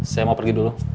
saya mau pergi dulu